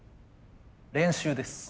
練習です。